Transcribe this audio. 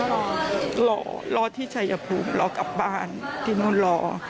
ก็รอรอที่ชัยภูมิรอกลับบ้านที่นู่นรอ